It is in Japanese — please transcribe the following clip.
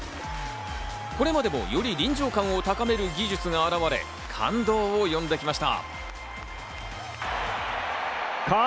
これまでもより臨場感を高める技術が現れ、感動を呼んできました。